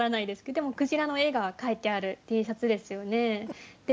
でも鯨の絵が描いてあるＴシャツですよね。